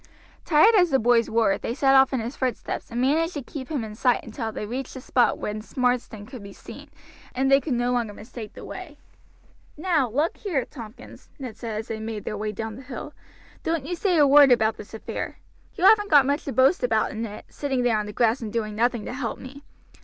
Tired as the boys were, they set off in his footsteps, and managed to keep him in sight until they reached the spot whence Marsden could be seen, and they could no longer mistake the way. "Now, look here, Tompkins," Ned said as they made their way down the hill; "don't you say a word about this affair. You haven't got much to boast about in it, sitting there on the grass and doing nothing to help me.